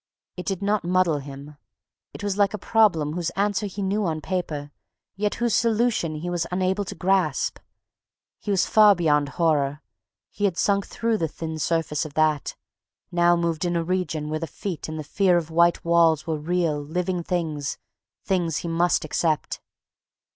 It did not muddle him. It was like a problem whose answer he knew on paper, yet whose solution he was unable to grasp. He was far beyond horror. He had sunk through the thin surface of that, now moved in a region where the feet and the fear of white walls were real, living things, things he must accept.